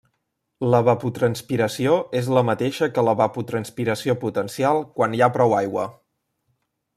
L'evapotranspiració és la mateixa que l'evapotranspiració potencial quan hi ha prou aigua.